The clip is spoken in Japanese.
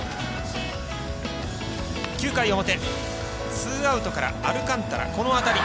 ９回表、ツーアウトからアルカンタラ、この当たり。